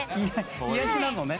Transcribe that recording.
癒やしなのね。